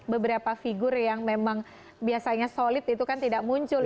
beberapa figur yang memang biasanya solid itu kan tidak muncul